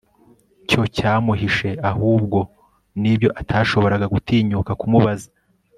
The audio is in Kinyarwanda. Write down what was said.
cyo yamuhishe ahubwo n'ibyo atashoboraga gutinyuka kumubaza